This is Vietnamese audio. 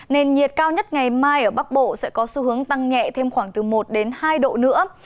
nền nhiệt cao nhất ngày mai ở bắc bộ sẽ có xu hướng tăng nhẹ thêm khoảng từ một đến hai độ nữa